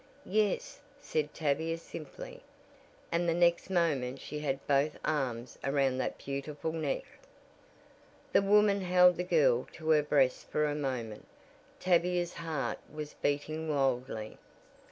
"Yes," said Tavia simply, and the next moment she had both arms around that beautiful neck. The woman held the girl to her breast for a moment. Tavia's heart was beating wildly.